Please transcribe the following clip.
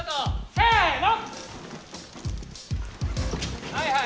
せの！